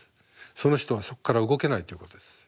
その人はそっから動けないということです。